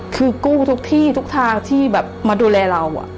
คือกู้ทุกที่ทุกทางที่แบบมาดูแลเรา